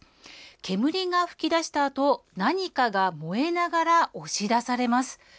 煙が噴き出したあと何かが燃えながら押し出されます。